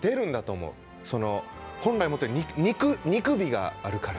本来持ってる肉肉美があるから。